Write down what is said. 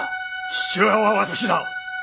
父親は私だ。